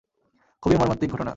খুবই মর্মান্তিক ঘটনা।